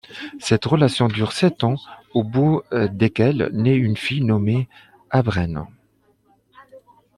Cette relation dure sept ans, au bout desquels nait une fille nommée Habren.